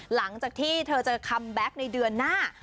หลังจากที่เธอเจอคัมแบ็คในเดือนหน้า